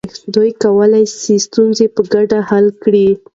دوی کولی سي ستونزې په ګډه حل کړي.